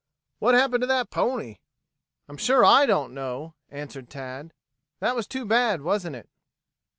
What happened to that pony?" "I'm sure I don't know," answered Tad. "That was too bad, wasn't it?"